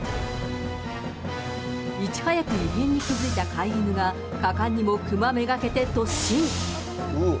いち早く異変に気付いた飼い犬が果敢にもクマめがけて突進。